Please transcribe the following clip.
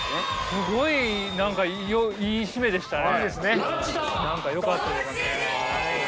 すごい何かいい締めでしたね。